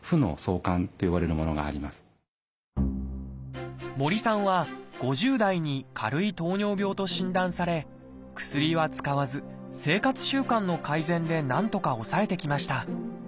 でも森さんは５０代に軽い糖尿病と診断され薬は使わず生活習慣の改善でなんとか抑えてきました。